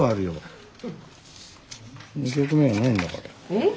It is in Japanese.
えっ？